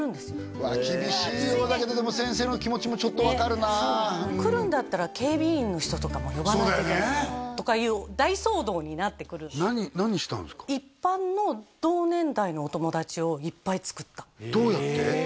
うわ厳しいようだけど先生の気持ちもちょっと分かるな来るんだったら警備員の人とかも呼ばないといけないとかいう大騒動になってくる一般の同年代のお友達をいっぱいつくったどうやって？